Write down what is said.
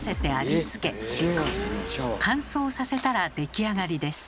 乾燥させたら出来上がりです。